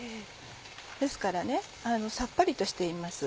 ですからさっぱりとしています。